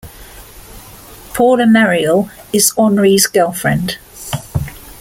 Paula Mareuil is Henri's girlfriend.